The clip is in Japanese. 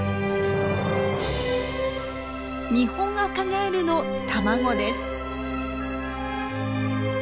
ニホンアカガエルの卵です。